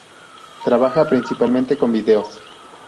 Trabaja principalmente con vídeos.